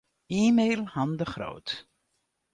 E-mail Han de Groot.